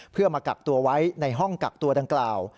เพื่อมากักตัวไว้ในห้องกักตัวดังกล่าว